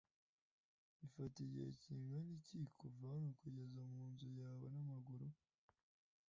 Bifata igihe kingana iki kuva hano kugera munzu yawe n'amaguru?